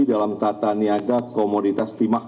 dalam tata niaga komoditas timah